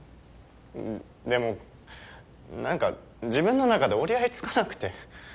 でもなんか自分の中で折り合いつかなくて。